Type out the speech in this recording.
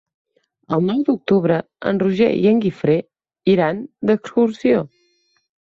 El nou d'octubre en Roger i en Guifré iran d'excursió.